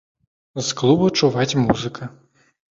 З клуба чуваць музыка.